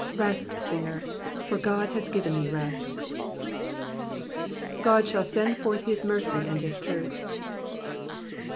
Rest, singer, for God has given thee rest ! ^'•God shall send forth his mercy and his truth.'''